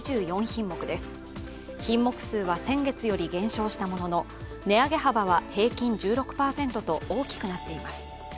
品目数は先月より減少したものの値上げ幅は平均１６％と大きくなっています。